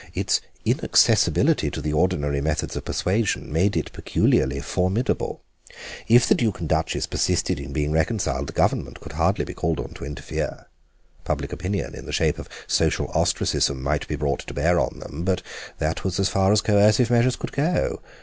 Its inaccessibility to the ordinary methods of persuasion made it peculiarly formidable. If the Duke and Duchess persisted in being reconciled the Government could hardly be called on to interfere. Public opinion in the shape of social ostracism might be brought to bear on them, but that was as far as coercive measures could go.